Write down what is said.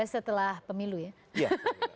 setelah pemilu ya